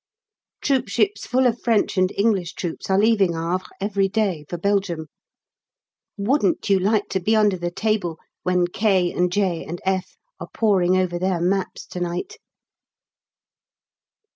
Troopships full of French and English troops are leaving Havre every day, for Belgium. Wouldn't you like to be under the table when K. and J. and F. are poring over their maps to night?